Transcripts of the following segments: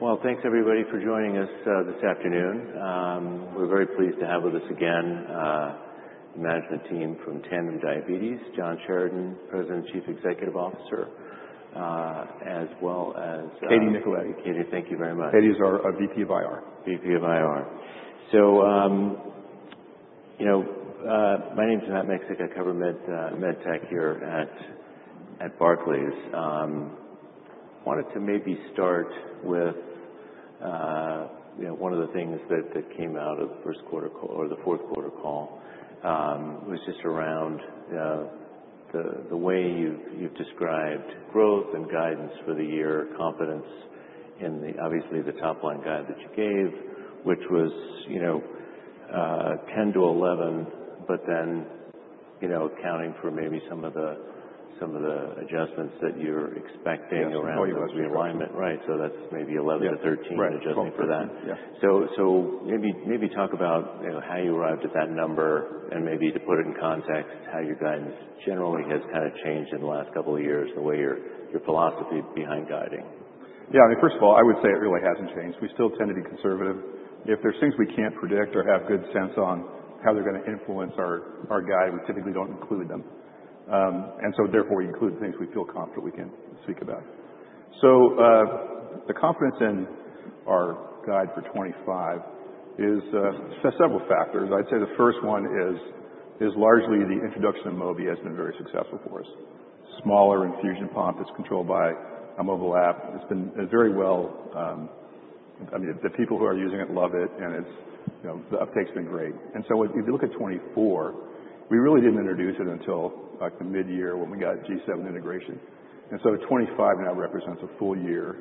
All right. Thanks, everybody, for joining us this afternoon. We're very pleased to have with us again the management team from Tandem Diabetes: John Sheridan, President and Chief Executive Officer, as well as. Katie Nicoletti. Katie, thank you very much. Katie is our VP of IR. You know, my name's Matt Miksic, I cover Medtech here at Barclays. I wanted to maybe start with one of the things that came out of the first quarter call, or the fourth quarter call, was just around the way you've described growth and guidance for the year, competence, and obviously the top-line guide that you gave, which was, you know, 10-11, but then, you know, accounting for maybe some of the adjustments that you're expecting around the realignment. Right. So that's maybe 11-13 adjusting for that. Right. Maybe talk about how you arrived at that number, and maybe to put it in context, how your guidance generally has kind of changed in the last couple of years, the way your philosophy behind guiding. Yeah. I mean, first of all, I would say it really hasn't changed. We still tend to be conservative. If there are things we can't predict or have good sense on how they're going to influence our guide, we typically don't include them. Therefore, we include things we feel confident we can speak about. The confidence in our guide for 2025 is several factors. I'd say the first one is largely the introduction of Mobi has been very successful for us. Smaller infusion pump, it's controlled by a mobile app. It's been very well—I mean, the people who are using it love it, and the uptake has been great. If you look at 2024, we really didn't introduce it until the mid-year when we got G7 integration. 2025 now represents a full year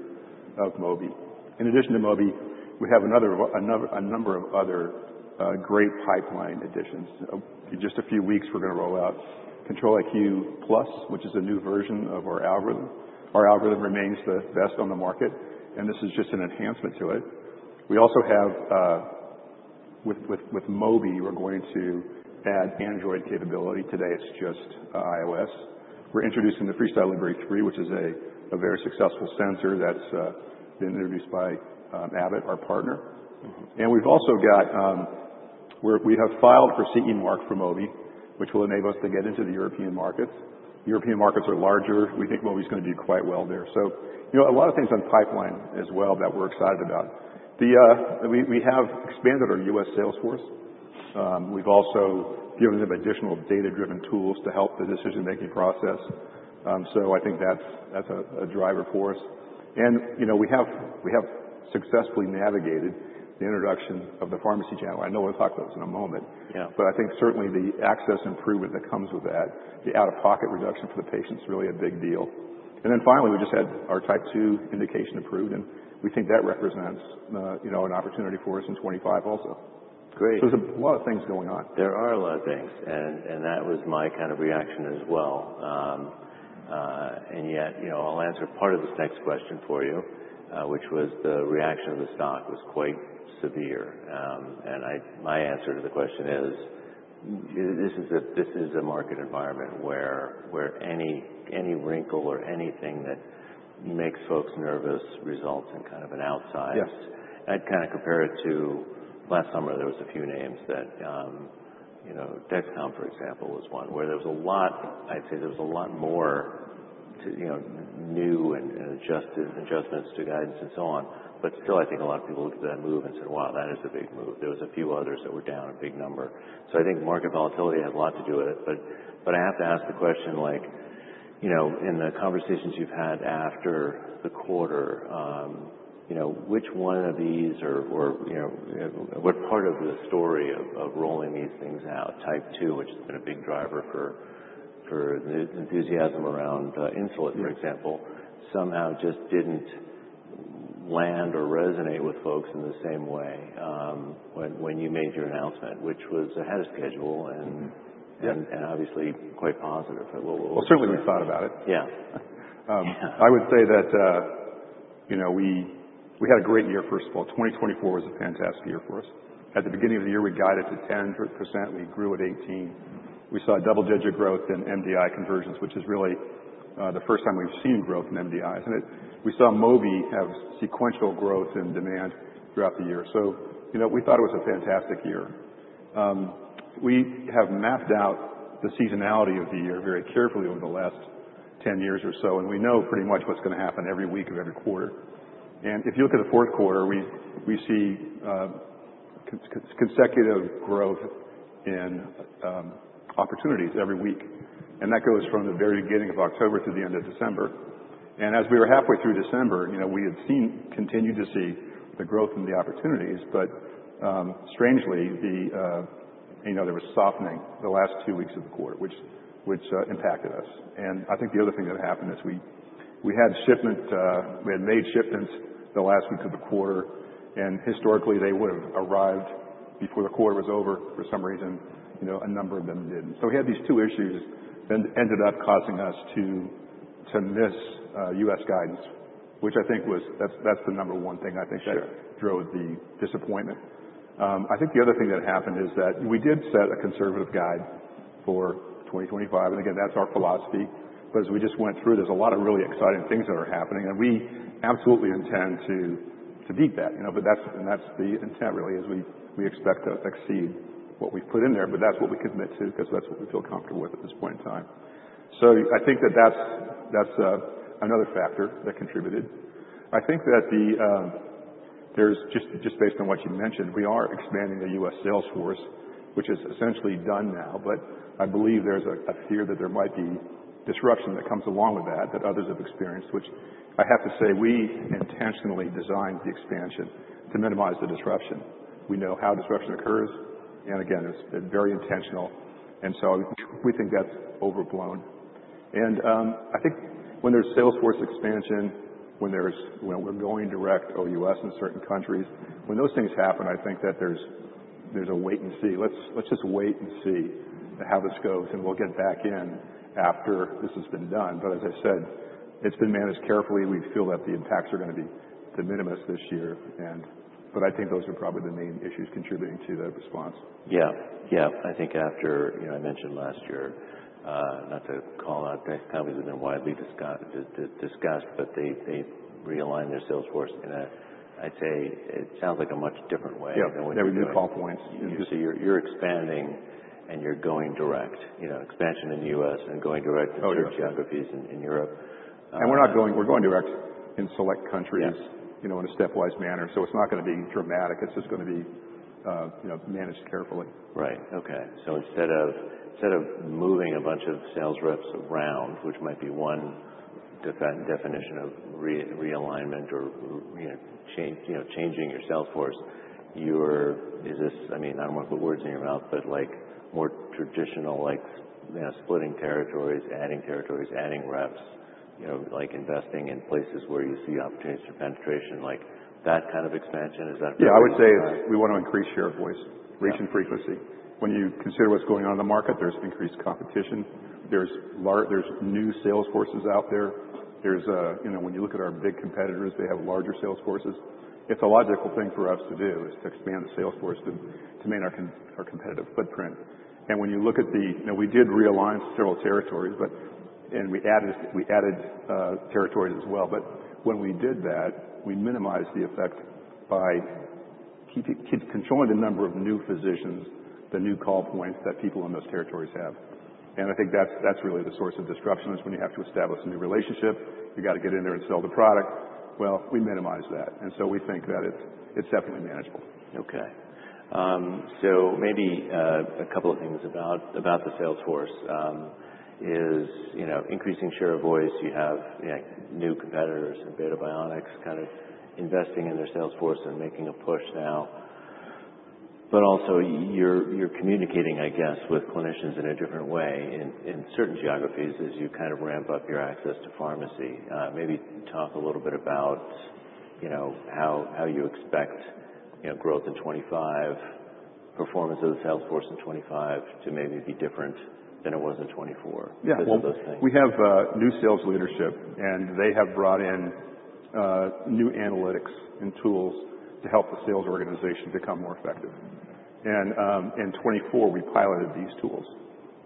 of Mobi. In addition to Mobi, we have a number of other great pipeline additions. In just a few weeks, we're going to roll out Control-IQ+, which is a new version of our algorithm. Our algorithm remains the best on the market, and this is just an enhancement to it. We also have, with Mobi, we're going to add Android capability. Today it's just iOS. We're introducing the FreeStyle Libre 3, which is a very successful sensor that's been introduced by Abbott, our partner. We have also filed for CE mark for Mobi, which will enable us to get into the European markets. European markets are larger. We think Mobi's going to do quite well there. You know, a lot of things on pipeline as well that we're excited about. We have expanded our U.S. sales force. We've also given them additional data-driven tools to help the decision-making process. I think that's a driver for us. You know, we have successfully navigated the introduction of the pharmacy channel. I know we'll talk about this in a moment. Yeah. I think certainly the access improvement that comes with that, the out-of-pocket reduction for the patient's really a big deal. Finally, we just had our Type 2 indication approved, and we think that represents an opportunity for us in 2025 also. Great. There are a lot of things going on. There are a lot of things, and that was my kind of reaction as well. Yet, you know, I'll answer part of this next question for you, which was the reaction of the stock was quite severe. My answer to the question is, this is a market environment where any wrinkle or anything that makes folks nervous results in kind of an outsize. Yes. I'd kind of compare it to last summer, there were a few names that, you know, Dexcom, for example, was one, where there was a lot—I’d say there was a lot more new and adjustments to guidance and so on. Still, I think a lot of people looked at that move and said, "Wow, that is a big move." There were a few others that were down a big number. I think market volatility has a lot to do with it. I have to ask the question, like, you know, in the conversations you've had after the quarter, you know, which one of these or what part of the story of rolling these things out, Type 2, which has been a big driver for enthusiasm around insulin, for example, somehow just didn't land or resonate with folks in the same way when you made your announcement, which was ahead of schedule and obviously quite positive. Certainly we've thought about it. Yeah. I would say that, you know, we had a great year, first of all. 2024 was a fantastic year for us. At the beginning of the year, we guided to 10%. We grew at 18%. We saw double-digit growth in MDI conversions, which is really the first time we've seen growth in MDIs. We saw Mobi have sequential growth in demand throughout the year. You know, we thought it was a fantastic year. We have mapped out the seasonality of the year very carefully over the last 10 years or so, and we know pretty much what's going to happen every week of every quarter. If you look at the fourth quarter, we see consecutive growth in opportunities every week. That goes from the very beginning of October to the end of December. As we were halfway through December, you know, we had continued to see the growth in the opportunities, but strangely, you know, there was softening the last two weeks of the quarter, which impacted us. I think the other thing that happened is we had made shipments the last week of the quarter, and historically they would have arrived before the quarter was over. For some reason, you know, a number of them did not. We had these two issues that ended up causing us to miss U.S. guidance, which I think was the number one thing I think that drove the disappointment. I think the other thing that happened is that we did set a conservative guide for 2025, and again, that is our philosophy. As we just went through, there's a lot of really exciting things that are happening, and we absolutely intend to beat that. You know, that's the intent, really, is we expect to exceed what we've put in there, but that's what we commit to because that's what we feel comfortable with at this point in time. I think that that's another factor that contributed. I think that just based on what you mentioned, we are expanding the U.S. sales force, which is essentially done now, but I believe there's a fear that there might be disruption that comes along with that that others have experienced, which I have to say we intentionally designed the expansion to minimize the disruption. We know how disruption occurs, and again, it's been very intentional, and we think that's overblown. I think when there's sales force expansion, when we're going direct OUS in certain countries, when those things happen, I think that there's a wait and see. Let's just wait and see how this goes, and we'll get back in after this has been done. As I said, it's been managed carefully. We feel that the impacts are going to be de minimis this year, but I think those are probably the main issues contributing to that response. Yeah. Yeah. I think after, you know, I mentioned last year, not to call out Dexcom, because it's been widely discussed, but they realigned their sales force, and I'd say it sounds like a much different way than what you're doing. Yeah. There were new call points. You're expanding and you're going direct, you know, expansion in the U.S. and going direct to geographies in Europe. We're not going direct in select countries, you know, in a stepwise manner, so it's not going to be dramatic. It's just going to be managed carefully. Right. Okay. Instead of moving a bunch of sales reps around, which might be one definition of realignment or changing your sales force, is this, I mean, I do not want to put words in your mouth, but like more traditional, like splitting territories, adding territories, adding reps, you know, like investing in places where you see opportunities for penetration, like that kind of expansion? Is that. Yeah. I would say we want to increase share of voice, reach and frequency. When you consider what's going on in the market, there's increased competition. There's new sales forces out there. You know, when you look at our big competitors, they have larger sales forces. It's a logical thing for us to do, is to expand the sales force to maintain our competitive footprint. When you look at the, you know, we did realign several territories, and we added territories as well, but when we did that, we minimized the effect by controlling the number of new physicians, the new call points that people in those territories have. I think that's really the source of disruption, is when you have to establish a new relationship, you've got to get in there and sell the product. We minimized that, and so we think that it's definitely manageable. Okay. Maybe a couple of things about the sales force is, you know, increasing share of voice. You have new competitors, and Beta Bionics kind of investing in their sales force and making a push now. Also you're communicating, I guess, with clinicians in a different way in certain geographies as you kind of ramp up your access to pharmacy. Maybe talk a little bit about, you know, how you expect growth in 2025, performance of the sales force in 2025 to maybe be different than it was in 2024. Yeah. We have new sales leadership, and they have brought in new analytics and tools to help the sales organization become more effective. In 2024, we piloted these tools,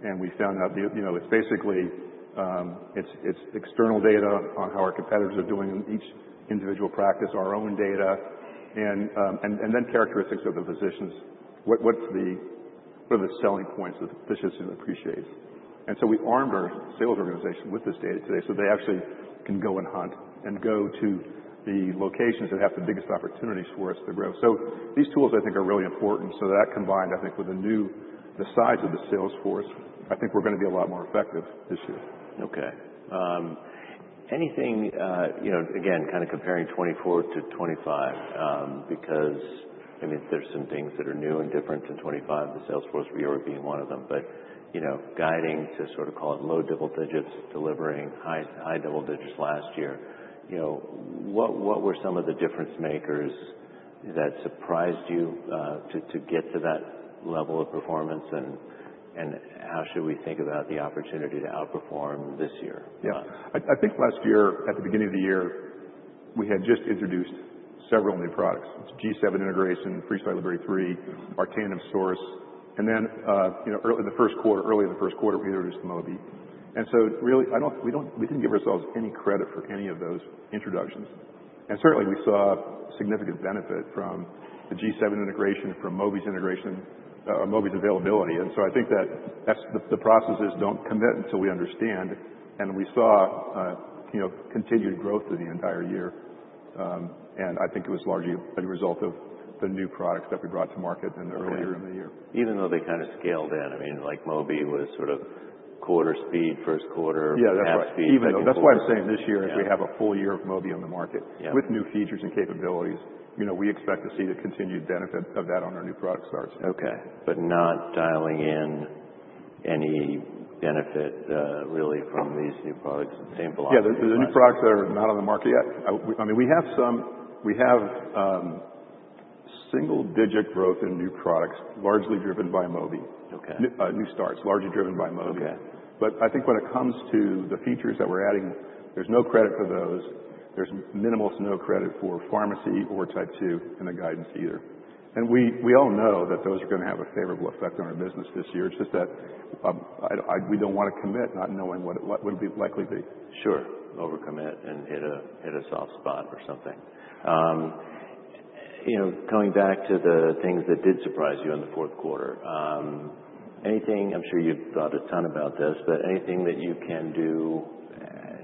and we found out, you know, it's basically external data on how our competitors are doing in each individual practice, our own data, and then characteristics of the physicians. What are the selling points that the physician appreciates? We armed our sales organization with this data today so they actually can go and hunt and go to the locations that have the biggest opportunities for us to grow. These tools, I think, are really important. That combined, I think, with the size of the sales force, I think we're going to be a lot more effective this year. Okay. Anything, you know, again, kind of comparing 2024 to 2025, because I mean, there's some things that are new and different in 2025. The sales force for you were being one of them, but, you know, guiding to sort of call it low double digits, delivering high double digits last year. You know, what were some of the difference makers that surprised you to get to that level of performance, and how should we think about the opportunity to outperform this year? Yeah. I think last year, at the beginning of the year, we had just introduced several new products: G7 integration, FreeStyle Libre 3, our Tandem Source, and then in the first quarter, early in the first quarter, we introduced Mobi. Really, we did not give ourselves any credit for any of those introductions. Certainly, we saw significant benefit from the G7 integration, from Mobi's integration, or Mobi's availability. I think that the processes do not commit until we understand, and we saw continued growth through the entire year. I think it was largely a result of the new products that we brought to market earlier in the year. Even though they kind of scaled in, I mean, like Mobi was sort of quarter speed, first quarter, half speed. Yeah. That's why I'm saying this year, if we have a full year of Mobi on the market with new features and capabilities, you know, we expect to see the continued benefit of that on our new product starts. Okay. Not dialing in any benefit really from these new products and same philosophy. Yeah. The new products that are not on the market yet. I mean, we have some single-digit growth in new products, largely driven by Mobi. Okay. New starts, largely driven by Mobi. Okay. I think when it comes to the features that we're adding, there's no credit for those. There's minimal to no credit for pharmacy or Type 2 in the guidance either. We all know that those are going to have a favorable effect on our business this year. It's just that we don't want to commit not knowing what it would likely be. Sure. Overcommit and hit a soft spot or something. You know, coming back to the things that did surprise you in the fourth quarter, anything—I'm sure you've thought a ton about this—but anything that you can do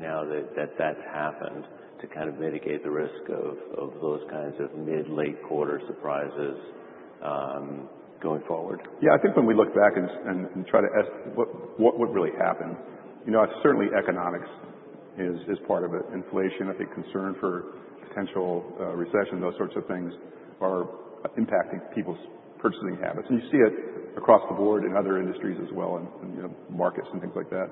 now that that's happened to kind of mitigate the risk of those kinds of mid-late quarter surprises going forward? Yeah. I think when we look back and try to ask what really happened, you know, certainly economics is part of it. Inflation, I think, concern for potential recession, those sorts of things are impacting people's purchasing habits. You see it across the board in other industries as well, and markets and things like that.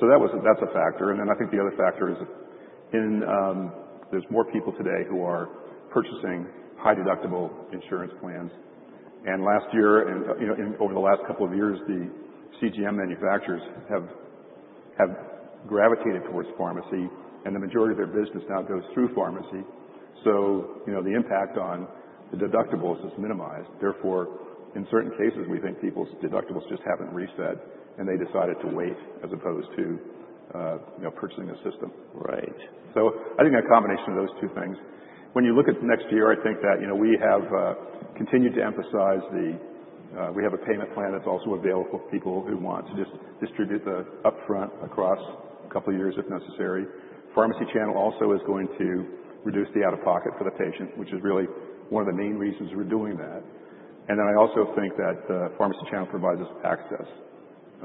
That's a factor. I think the other factor is that there's more people today who are purchasing high-deductible insurance plans. Last year, and over the last couple of years, the CGM manufacturers have gravitated towards pharmacy, and the majority of their business now goes through pharmacy. You know, the impact on the deductibles is minimized. Therefore, in certain cases, we think people's deductibles just haven't reached that, and they decided to wait as opposed to purchasing a system. Right. I think a combination of those two things. When you look at next year, I think that, you know, we have continued to emphasize the—we have a payment plan that's also available for people who want to just distribute the upfront across a couple of years if necessary. Pharmacy channel also is going to reduce the out-of-pocket for the patient, which is really one of the main reasons we're doing that. I also think that pharmacy channel provides us access.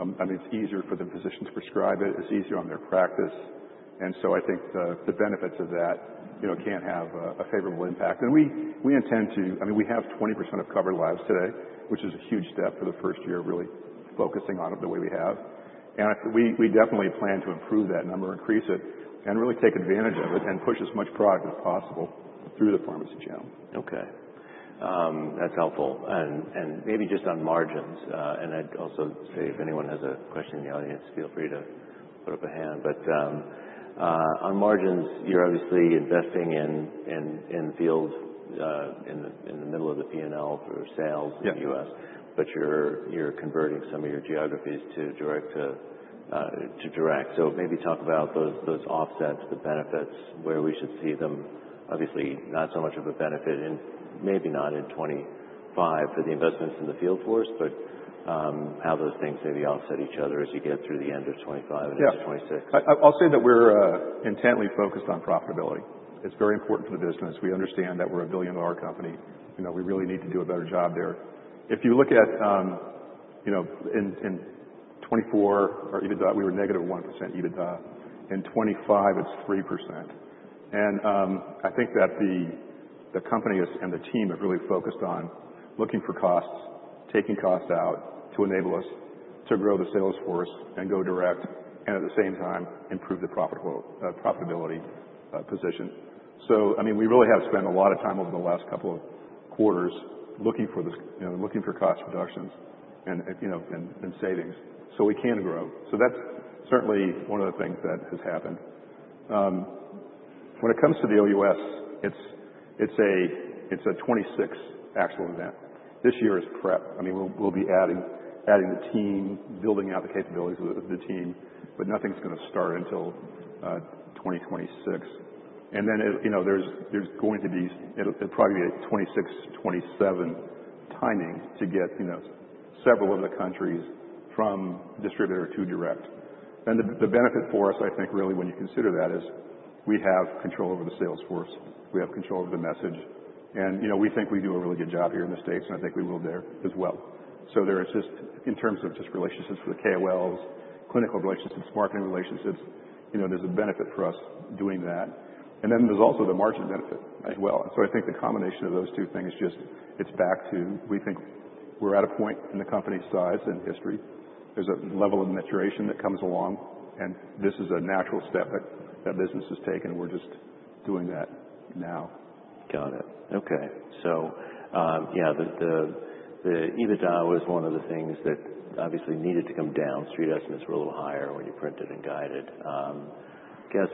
I mean, it's easier for the physician to prescribe it. It's easier on their practice. I think the benefits of that, you know, can have a favorable impact. We intend to—I mean, we have 20% of covered lives today, which is a huge step for the first year of really focusing on it the way we have. We definitely plan to improve that number, increase it, and really take advantage of it and push as much product as possible through the pharmacy channel. Okay. That's helpful. Maybe just on margins, and I'd also say if anyone has a question in the audience, feel free to put up a hand. On margins, you're obviously investing in the field in the middle of the P&L for sales in the U.S., but you're converting some of your geographies to direct. Maybe talk about those offsets, the benefits, where we should see them. Obviously, not so much of a benefit in maybe not in 2025 for the investments in the field force, but how those things maybe offset each other as you get through the end of 2025 and into 2026? Yeah. I'll say that we're intently focused on profitability. It's very important to the business. We understand that we're a billion-dollar company. You know, we really need to do a better job there. If you look at, you know, in 2024, our EBITDA, we were negative 1% EBITDA. In 2025, it's 3%. I think that the company and the team have really focused on looking for costs, taking costs out to enable us to grow the sales force and go direct, and at the same time, improve the profitability position. I mean, we really have spent a lot of time over the last couple of quarters looking for cost reductions and savings so we can grow. That's certainly one of the things that has happened. When it comes to the OUS, it's a 2026 actual event. This year is prep. I mean, we'll be adding the team, building out the capabilities of the team, but nothing's going to start until 2026. You know, there's going to be—it'll probably be a 2026, 2027 timing to get, you know, several of the countries from distributor to direct. The benefit for us, I think, really when you consider that, is we have control over the sales force. We have control over the message. You know, we think we do a really good job here in the States, and I think we will there as well. There is just, in terms of just relationships with the KOLs, clinical relationships, marketing relationships, you know, there's a benefit for us doing that. There is also the margin benefit as well. I think the combination of those two things just, it's back to, we think we're at a point in the company's size and history. There's a level of maturation that comes along, and this is a natural step that business has taken, and we're just doing that now. Got it. Okay. So, yeah, the EBITDA was one of the things that obviously needed to come down. Street estimates were a little higher when you printed and guided. I guess,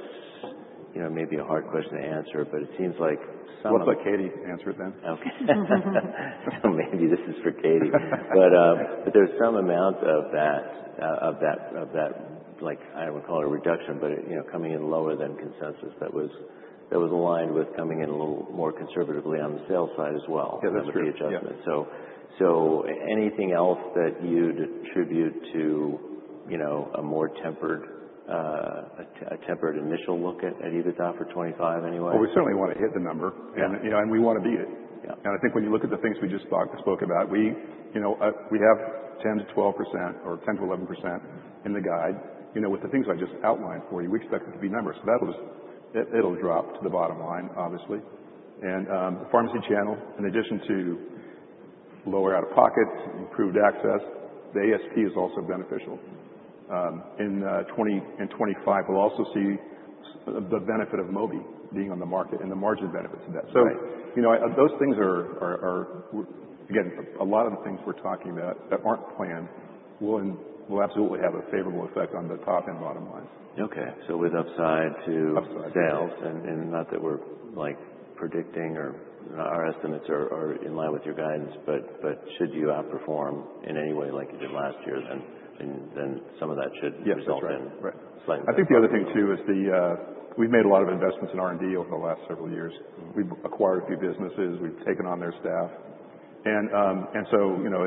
you know, maybe a hard question to answer, but it seems like some. What about Katie answer it then? Okay. Maybe this is for Katie. But there's some amount of that, of that, like I don't want to call it a reduction, but, you know, coming in lower than consensus that was aligned with coming in a little more conservatively on the sales side as well. Yeah, that's true. That's the adjustment. Anything else that you'd attribute to, you know, a more tempered initial look at EBITDA for 2025 anyway? We certainly want to hit the number, and, you know, we want to beat it. I think when you look at the things we just spoke about, we, you know, we have 10-12% or 10-11% in the guide. You know, with the things I just outlined for you, we expect it to be numbers. That will just, it'll drop to the bottom line, obviously. The pharmacy channel, in addition to lower out-of-pocket, improved access, the ASP is also beneficial. In 2025, we'll also see the benefit of Mobi being on the market and the margin benefits of that. You know, those things are, again, a lot of the things we're talking about that aren't planned will absolutely have a favorable effect on the top and bottom lines. Okay. With upside to sales, and not that we're like predicting or our estimates are in line with your guidance, but should you outperform in any way like you did last year, then some of that should result in slight improvement. I think the other thing too is, we've made a lot of investments in R&D over the last several years. We've acquired a few businesses. We've taken on their staff. And so, you know,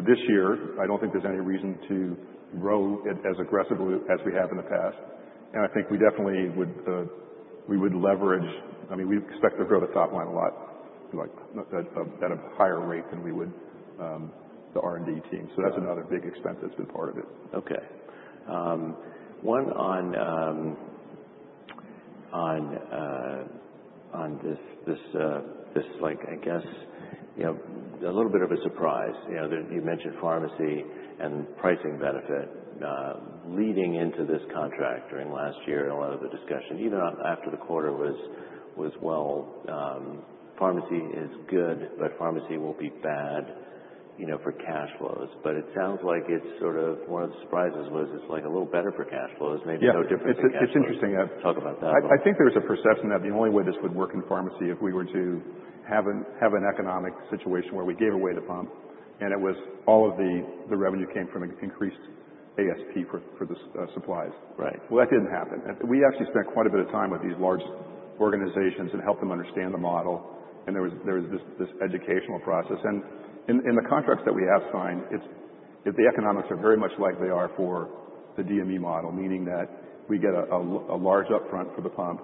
this year, I don't think there's any reason to grow it as aggressively as we have in the past. I think we definitely would, we would leverage, I mean, we expect to grow the top line a lot, like at a higher rate than we would the R&D team. That's another big expense that's been part of it. Okay. One on this, like, I guess, you know, a little bit of a surprise. You know, you mentioned pharmacy and pricing benefit leading into this contract during last year and a lot of the discussion, even after the quarter was, well, pharmacy is good, but pharmacy will be bad, you know, for cash flows. It sounds like it's sort of one of the surprises was it's like a little better for cash flows. Maybe no difference in that. Yeah. It's interesting. Talk about that a little. I think there was a perception that the only way this would work in pharmacy if we were to have an economic situation where we gave away the pump and it was all of the revenue came from increased ASP for the supplies. Right. That did not happen. We actually spent quite a bit of time with these large organizations and helped them understand the model. There was this educational process. In the contracts that we have signed, the economics are very much like they are for the DME model, meaning that we get a large upfront for the pump,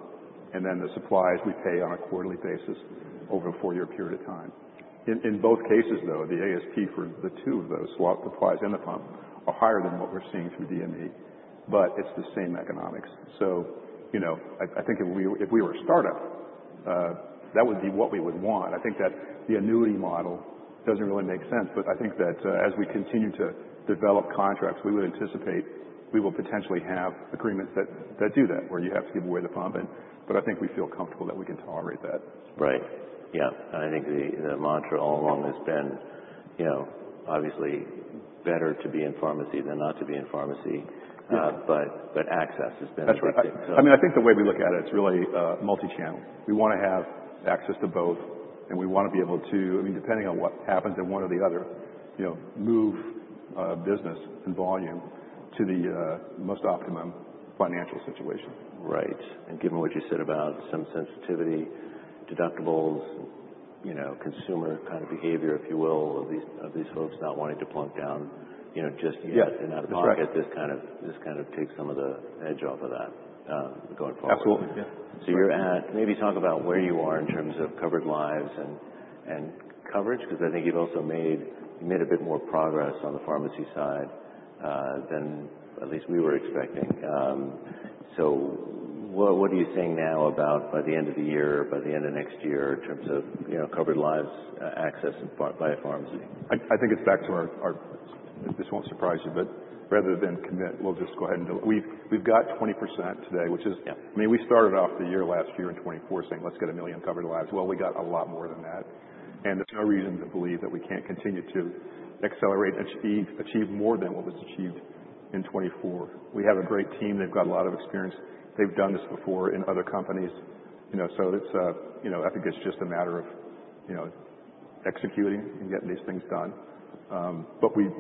and then the supplies we pay on a quarterly basis over a four-year period of time. In both cases, though, the ASP for the two of those supplies and the pump are higher than what we are seeing through DME, but it is the same economics. You know, I think if we were a startup, that would be what we would want. I think that the annuity model doesn't really make sense, but I think that as we continue to develop contracts, we would anticipate we will potentially have agreements that do that, where you have to give away the pump. I think we feel comfortable that we can tolerate that. Right. Yeah. I think the mantra all along has been, you know, obviously better to be in pharmacy than not to be in pharmacy, but access has been a big thing. That's right. I mean, I think the way we look at it, it's really multi-channeled. We want to have access to both, and we want to be able to, I mean, depending on what happens in one or the other, you know, move business and volume to the most optimum financial situation. Right. Given what you said about some sensitivity, deductibles, you know, consumer kind of behavior, if you will, of these folks not wanting to plunk down, you know, just yet and out of pocket, this kind of takes some of the edge off of that going forward. Absolutely. Yeah. You're at, maybe talk about where you are in terms of covered lives and coverage, because I think you've also made a bit more progress on the pharmacy side than at least we were expecting. What are you saying now about by the end of the year, by the end of next year in terms of, you know, covered lives access by a pharmacy? I think it's back to our, this won't surprise you, but rather than commit, we'll just go ahead and we've got 20% today, which is, I mean, we started off the year last year in 2024 saying, let's get a million covered lives. Well, we got a lot more than that. There's no reason to believe that we can't continue to accelerate and achieve more than what was achieved in 2024. We have a great team. They've got a lot of experience. They've done this before in other companies. You know, so it's, you know, I think it's just a matter of, you know, executing and getting these things done.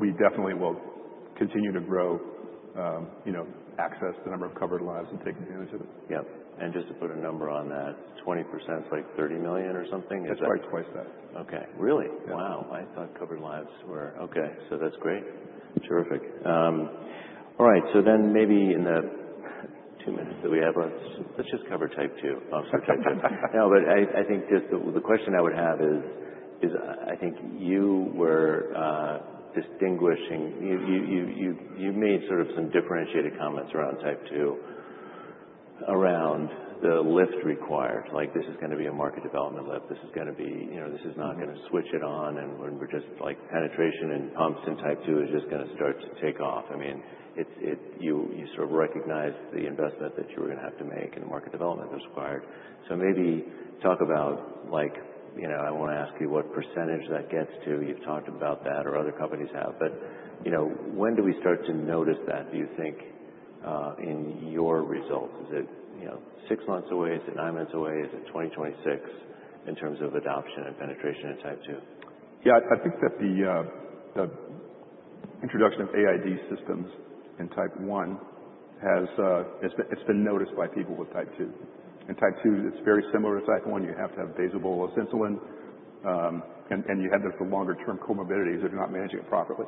We definitely will continue to grow, you know, access the number of covered lives and take advantage of it. Yep. Just to put a number on that, 20%, it's like 30 million or something? That's probably twice that. Okay. Really? Wow. I thought covered lives were, okay. So that's great. Terrific. All right. Maybe in the two minutes that we have, let's just cover Type 2. Okay. No, but I think just the question I would have is, I think you were distinguishing, you made sort of some differentiated comments around Type 2, around the lift required. Like, this is going to be a market development lift. This is going to be, you know, this is not going to switch it on. We are just like penetration and pumps in Type 2 is just going to start to take off. I mean, you sort of recognized the investment that you were going to have to make and the market development that is required. Maybe talk about like, you know, I want to ask you what percentage that gets to. You have talked about that or other companies have. You know, when do we start to notice that, do you think, in your results? Is it, you know, six months away? Is it nine months away? Is it 2026 in terms of adoption and penetration in Type 2? Yeah. I think that the introduction of AID systems in Type 1 has been noticed by people with Type 2. Type 2, it's very similar to Type 1. You have to have basal-bolus insulin, and you have the longer-term co-morbidities if you're not managing it properly.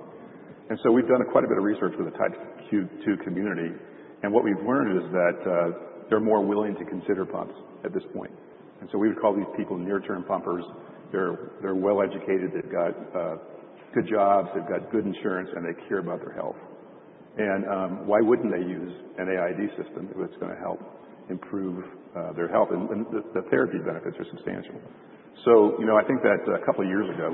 We've done quite a bit of research with the Type 2 community. What we've learned is that they're more willing to consider pumps at this point. We would call these people near-term pumpers. They're well-educated. They've got good jobs. They've got good insurance, and they care about their health. Why wouldn't they use an AID system if it's going to help improve their health? The therapy benefits are substantial. You know, I think that a couple of years ago,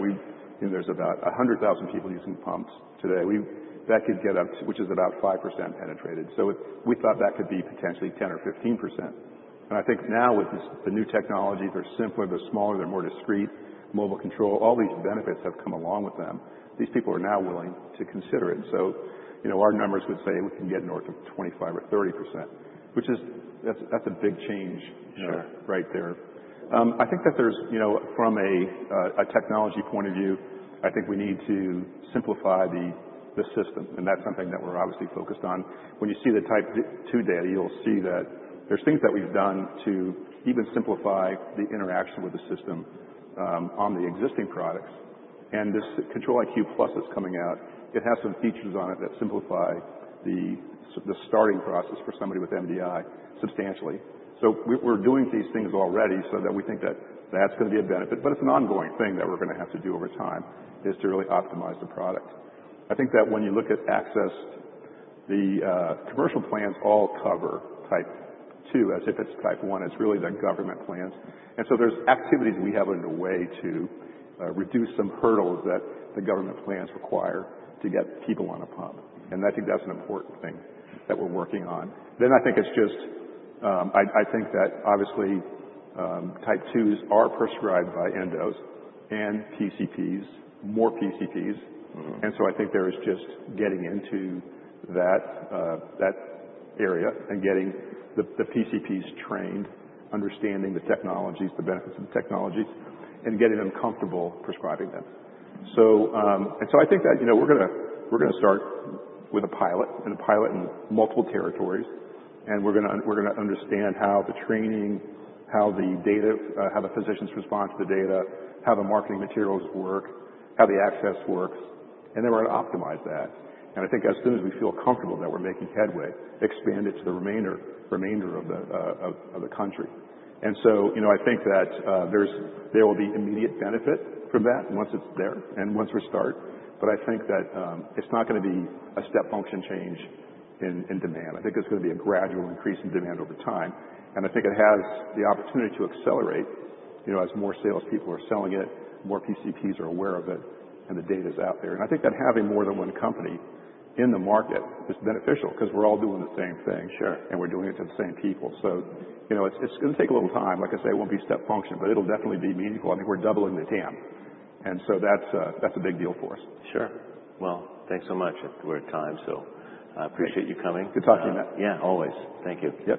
there's about 100,000 people using pumps today. That could get up to, which is about 5% penetrated. We thought that could be potentially 10% or 15%. I think now with the new technologies, they're simpler, they're smaller, they're more discreet, mobile control, all these benefits have come along with them. These people are now willing to consider it. You know, our numbers would say we can get north of 25% or 30%, which is, that's a big change right there. I think that there's, you know, from a technology point of view, I think we need to simplify the system. That's something that we're obviously focused on. When you see the Type 2 data, you'll see that there's things that we've done to even simplify the interaction with the system on the existing products. This Control-IQ+ that's coming out has some features on it that simplify the starting process for somebody with MDI substantially. We are doing these things already, so we think that is going to be a benefit. It is an ongoing thing that we are going to have to do over time to really optimize the product. I think that when you look at access, the commercial plans all cover Type 2 as if it is Type 1. It is really the government plans. There are activities we have underway to reduce some hurdles that the government plans require to get people on a pump. I think that is an important thing that we are working on. I think that obviously Type 2s are prescribed by endos and PCPs, more PCPs. I think there is just getting into that area and getting the PCPs trained, understanding the technologies, the benefits of the technologies, and getting them comfortable prescribing them. I think that, you know, we're going to start with a pilot, and pilot in multiple territories. We're going to understand how the training, how the data, how the physicians respond to the data, how the marketing materials work, how the access works. We're going to optimize that. I think as soon as we feel comfortable that we're making headway, expand it to the remainder of the country. You know, I think that there will be immediate benefit from that once it's there and once we start. I think that it's not going to be a step function change in demand. I think it's going to be a gradual increase in demand over time. I think it has the opportunity to accelerate, you know, as more salespeople are selling it, more PCPs are aware of it, and the data is out there. I think that having more than one company in the market is beneficial because we're all doing the same thing. Sure. We're doing it to the same people. You know, it's going to take a little time. Like I say, it won't be step function, but it'll definitely be meaningful. I think we're doubling the TAM, and so that's a big deal for us. Sure. Thanks so much. We're at time, so I appreciate you coming. Good talking to you. Yeah, always. Thank you.